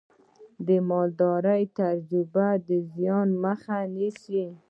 د مالدارۍ تجربه د زیان مخه نیسي.